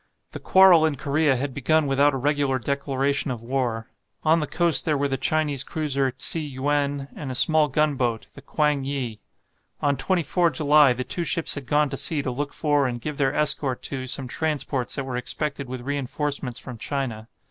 The quarrel in Korea had begun without a regular declaration of war. On the coast there were the Chinese cruiser, "Tsi yuen," and a small gunboat, the "Kwang yi." On 24 July the two ships had gone to sea to look for, and give their escort to, some transports that were expected with reinforcements from China.